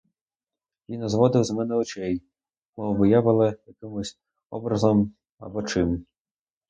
Він не зводив з мене очей, мовби я була якимсь образом або чим.